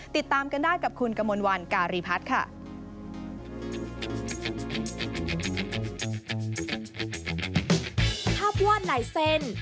ติดตามกันได้กับคุณ